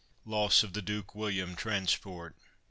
LOSS OF THE DUKE WILLIAM TRANSPORT.